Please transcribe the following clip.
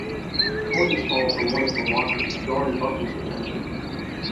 Coins fall from one of the lockers, drawing Buffy's attention.